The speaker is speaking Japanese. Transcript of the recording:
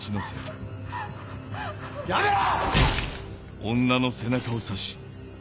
やめろ！